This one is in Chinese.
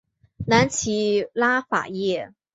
南起拉法叶。